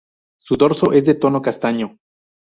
Su dorso es de tono castaño.